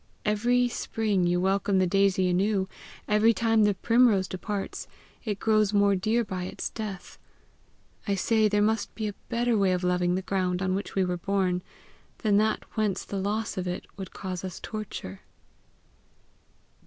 Every spring you welcome the daisy anew; every time the primrose departs, it grows more dear by its death. I say there must be a better way of loving the ground on which we were born, than that whence the loss of it would cause us torture."